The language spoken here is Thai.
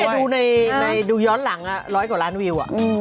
ดูย้อนหลังร้อยกว่าล้านวิว